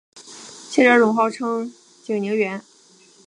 谢昭容号称景宁园昭容。